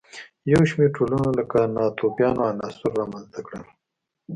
یو شمېر ټولنو لکه ناتوفیانو عناصر رامنځته کړل.